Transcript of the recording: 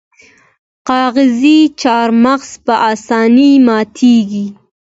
کاغذي چهارمغز په اسانۍ ماتیږي.